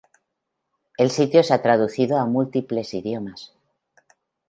El sitio se ha traducido a múltiples idiomas.